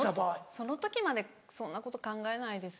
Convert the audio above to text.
その時までそんなこと考えないです。